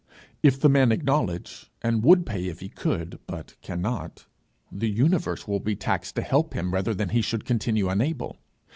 If the man acknowledge, and would pay if he could but cannot, the universe will be taxed to help him rather than he should continue unable.